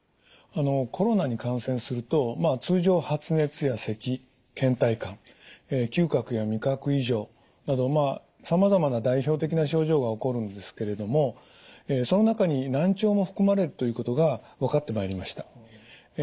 コロナに感染すると通常発熱やせきけん怠感嗅覚や味覚異常などさまざまな代表的な症状が起こるんですけれどもその中に難聴も含まれるということが分かってまいりました。